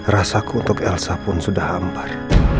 rasaku untuk elsa pun sudah hambar